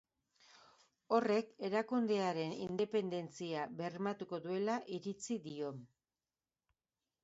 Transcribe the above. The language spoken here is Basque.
Horrek, erakundearen independentzia bermatuko duela iritzi dio.